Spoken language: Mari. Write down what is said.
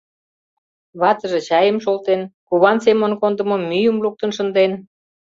Ватыже чайым шолтен, Куван Семон кондымо мӱйым луктын шынден.